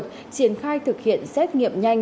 triển khai thực hiện xét nghiệm nhanh